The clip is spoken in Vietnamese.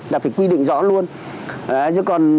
là phải quy định rõ luôn nhưng còn